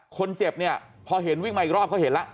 คนเจ็บเนี่ยพอเห็นวิ่งมาอีกรอบเขาเห็นแล้ว